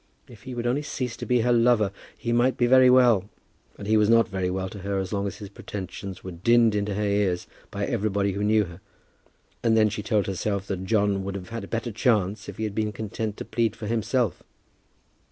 If he would only cease to be her lover, he might be very well; but he was not very well to her as long as his pretensions were dinned into her ear by everybody who knew her. And then she told herself that John would have had a better chance if he had been content to plead for himself.